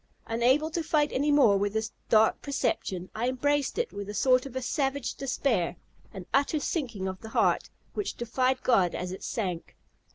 Unable to fight any more with this dark perception, I embraced it with a sort of savage despair, an utter sinking of the heart, which defied God as it sank.